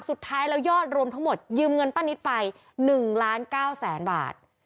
สุดท้ายแล้วยอดรวมทั้งหมดยืมเงินป้านิตไป๑ล้าน๙แสนบาท